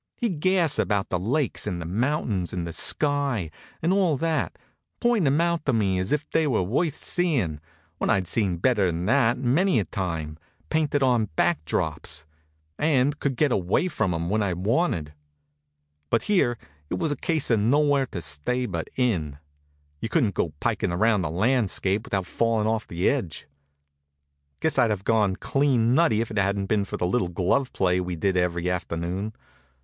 He'd gas about the lakes, and the mountains, and the sky, and all that, pointing 'em out to me as if they were worth seeing, when I'd seen better'n that many a time, painted on back drops and could get away from 'em when I wanted. But here it was a case of nowhere to stay but in. You couldn't go pikin' around the landscape without falling off the edge. Guess I'd have gone clean nutty if it hadn't been for the little glove play we did every afternoon.